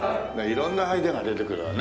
色んなアイデアが出てくるわね。